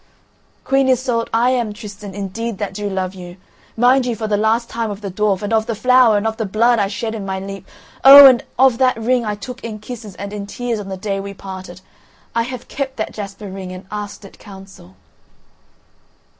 "Queen Iseult, I am Tristan indeed that do love you; mind you for the last time of the dwarf, and of the flower, and of the blood I shed in my leap. Oh! and of that ring I took in kisses and in tears on the day we parted. I have kept that jasper ring and asked it counsel."